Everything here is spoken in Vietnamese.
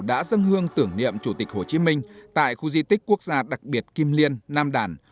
đã dâng hương tưởng niệm chủ tịch hồ chí minh tại khu di tích quốc gia đặc biệt kim liên nam đàn